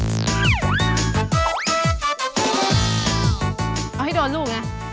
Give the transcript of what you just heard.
เอาให้โดนลูกนะ